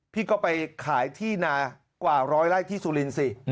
พี่ก็ไปขายที่นากว่าร้อยไร่ที่สุรินทร์สิ